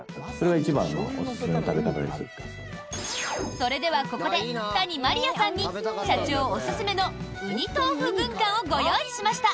それではここで谷まりあさんに社長おすすめのうにとうふ軍艦をご用意しました。